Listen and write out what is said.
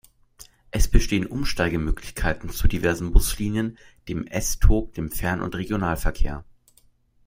Es bestehen Umsteigemöglichkeiten zu diversen Buslinien, dem S-tog, dem Fern- und dem Regionalverkehr.